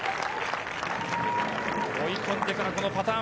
追い込んでから、このパターン。